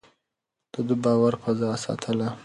ده د باور فضا ساتله.